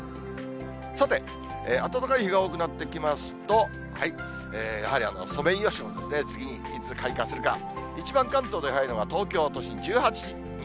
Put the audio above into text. さて、暖かい日が多くなってきますと、やはりソメイヨシノですね、次にいつ開花するか、一番関東で早いのが、東京都心１８日。